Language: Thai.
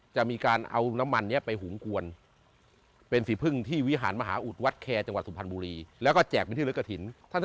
จะมีการเอาน้ำมันนี้ไปหุงกวนเป็นสีพึ่งที่วิหารมหาอุทธวัดแคร์จังหวัดสุพรรณบุรีแล้วก็แจกเป็นที่ลึกกระถิ่น